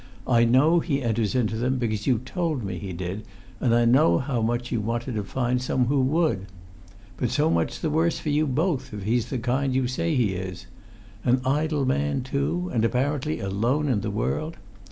I know he enters into them, because you told me he did, and I know how much you wanted to find some one who would. But so much the worse for you both, if he's the kind you say he is. An idle man, too, and apparently alone in the world!